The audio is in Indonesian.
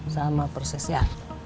sama persis ya